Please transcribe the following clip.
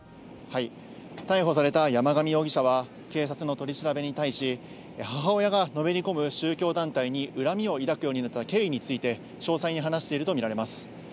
逮捕された山上容疑者は警察の取り調べに対し、母親がのめり込む宗教団体に恨みを抱くようになった経緯について詳細に話していると見られます。